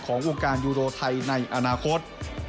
ของวงการยูโรไทยในอนาคต